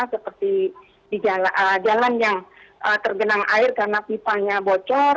seperti di jalan yang tergenang air karena pipanya bocor